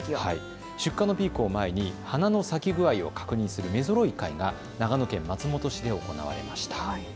出荷のピークを前に花の咲き具合を確認する目ぞろい会が長野県松本市で行われました。